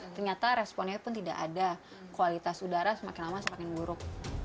ternyata responnya pun tidak ada kualitas udara semakin lama semakin buruk